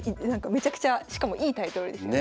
めちゃくちゃしかもいいタイトルですよね。